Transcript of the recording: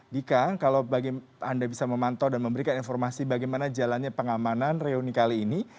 dika kalau anda bisa memantau dan memberikan informasi bagaimana jalannya pengamanan reuni kali ini